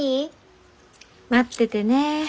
待っててね。